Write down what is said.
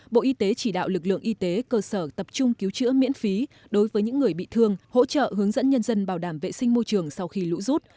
bộ y tế chỉ đạo lực lượng y tế cơ sở tập trung cứu chữa miễn phí đối với những người bị thương hỗ trợ hướng dẫn nhân dân bảo đảm vệ sinh môi trường sau khi lũ rút